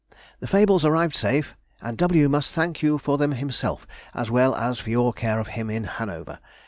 The Fables arrived safe, and W. must thank you for them himself, as well as for your care of him in Hanover.